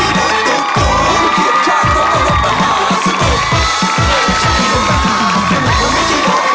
รถมะหาสนุก